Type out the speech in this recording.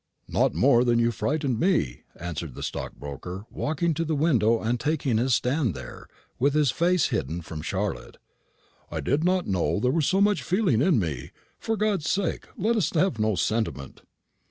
"Not more than you frightened me," answered the stockbroker, walking to the window and taking his stand there, with his face hidden from Charlotte. "I did not know there was so much feeling in me. For God's sake, let us have no sentiment!"